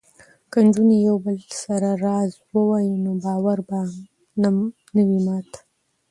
که نجونې یو بل سره راز ووايي نو باور به نه وي مات.